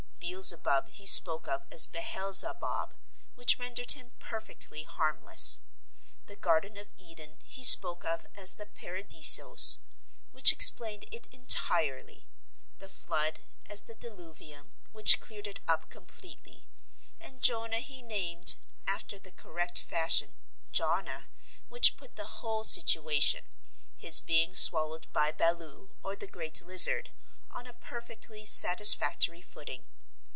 Beelzebub he spoke of as Behel Zawbab, which rendered him perfectly harmless. The Garden of Eden he spoke of as the Paradeisos, which explained it entirely; the flood as the Diluvium, which cleared it up completely; and Jonah he named, after the correct fashion Jon Nah, which put the whole situation (his being swallowed by Baloo or the Great Lizard) on a perfectly satisfactory footing.